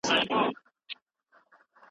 ښوونکو تل د پوهې په اهمیت ټینګار کړی.